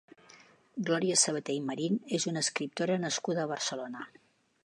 Glòria Sabaté i Marín és una escriptora nascuda a Barcelona.